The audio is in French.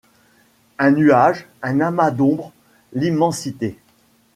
Un nuage, un amas d’ombre, l’immensité ?